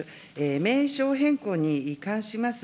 名称変更に関します